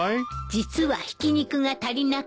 実はひき肉が足りなくて。